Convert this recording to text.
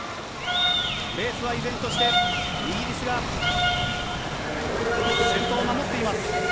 レースは依然として、イギリスが先頭を守っています。